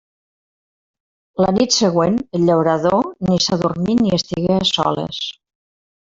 La nit següent el llaurador ni s'adormí ni estigué a soles.